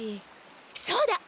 そうだ！